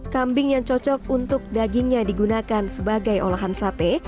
kambing yang cocok untuk dagingnya digunakan sebagai olahan sate